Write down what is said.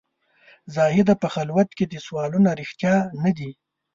زاهده په خلوت کې دي سوالونه رښتیا نه دي.